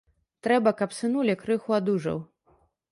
Трэба, каб сынуля крыху адужаў.